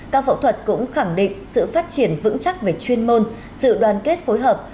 các phẫu thuật cũng khẳng định sự phát triển vững chắc về chuyên môn sự đoàn kết phối hợp